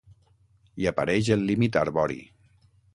Hi apareix el límit arbori.